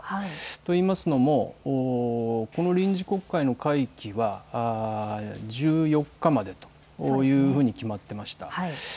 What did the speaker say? と言いますのもこの臨時国会の会期は１４日までというふうに決まっていました。